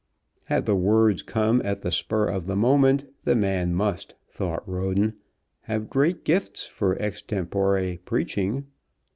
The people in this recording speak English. Had the words come at the spur of the moment, the man must, thought Roden, have great gifts for extempore preaching.